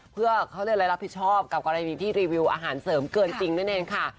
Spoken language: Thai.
เพื่อเขาเรียกอะไรรับผิดชอบกับกรณีที่รีวิวอาหารเสริมเกินจริงนั่นเองค่ะ